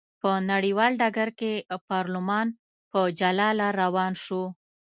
په نړیوال ډګر کې پارلمان په جلا لار روان شو.